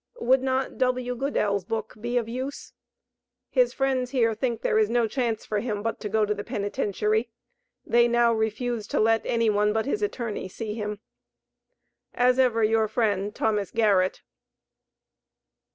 Would not W. Goodell's book be of use? His friends here think there is no chance for him but to go to the penitentiary. They now refuse to let any one but his attorney see him. As ever your friend, THOS. GARRETT.